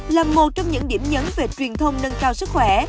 là một trong những điểm nhấn về truyền thông nâng cao sức khỏe